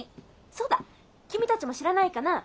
そうだ君たちも知らないかなぁ？